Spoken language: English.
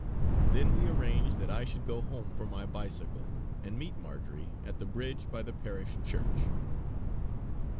Then we arranged that I should go home for my bicycle, and meet Marjory at the bridge by the Parish Church.